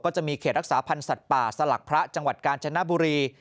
จะมีเขตรักษาพันธ์สัตว์ป่าสลักพระจังหวัดกาญจนบุรี